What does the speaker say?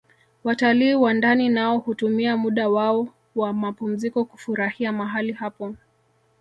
Watalii wa ndani nao hutumia muda wao wa mapumziko kufurahia mahali hapo